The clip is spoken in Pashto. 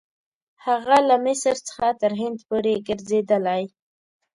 هغه له مصر څخه تر هند پورې ګرځېدلی.